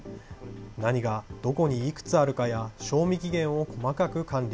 何がどこにいくつあるかや、賞味期限を細かく管理。